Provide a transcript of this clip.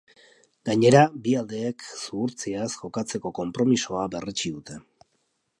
Gainera, bi aldeek zuhurtziaz jokatzeko konpromisoa berretsi dute.